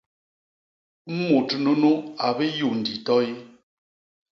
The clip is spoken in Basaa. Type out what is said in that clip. Mut nunu a biyundi toy!